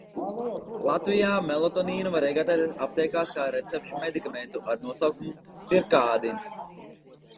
"Latvijā melatonīnu var iegādāties aptiekās kā recepšu medikamentu ar nosaukumu "cirkadīns"."